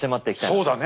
そうだね。